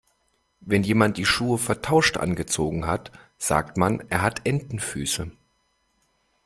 Wenn jemand die Schuhe vertauscht angezogen hat, sagt man, er hat Entenfüße.